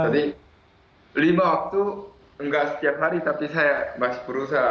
jadi lima waktu enggak setiap hari tapi saya masih berusaha